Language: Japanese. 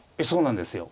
そうなんです。